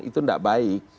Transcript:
itu enggak baik